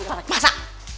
gue cemburu masa